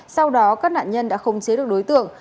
sau đó các nạn nhân đã không chế được đối tượng